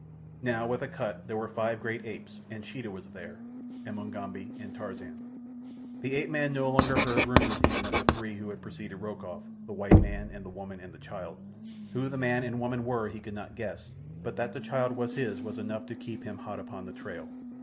Now, with Akut, there were five great apes, and Sheeta was there—and Mugambi and Tarzan. The ape man no longer heard rumors even of the three who had preceded Rokoff—the white man and woman and the child. Who the man and woman were he could not guess, but that the child was his was enough to keep him hot upon the trail.